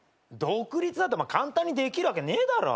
独立なんて簡単にできるわけねえだろ？